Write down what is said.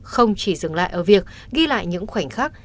không chỉ dừng lại ở việc ghi lại những khoảnh khắc